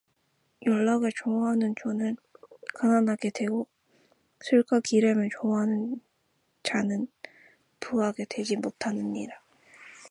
연락을 좋아하는 자는 가난하게 되고 술과 기름을 좋아하는 자는 부하게 되지 못하느니라